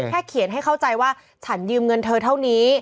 เขียนให้เข้าใจว่าฉันยืมเงินเธอเท่านี้